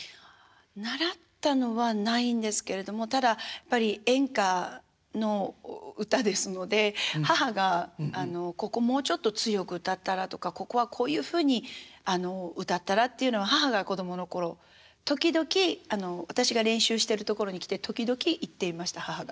習ったのはないんですけれどもただやっぱり演歌の歌ですので母が「ここもうちょっと強く歌ったら？」とか「ここはこういうふうに歌ったら？」っていうのは母が子供の頃時々私が練習しているところに来て時々言っていました母が。